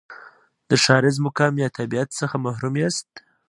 د ښاریز مقام یا تابعیت څخه محروم یاست.